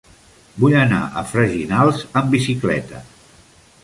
Vull anar a Freginals amb bicicleta.